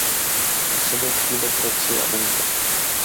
Působil v klubech Roxy a Bunkr.